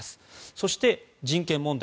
そして、人権問題。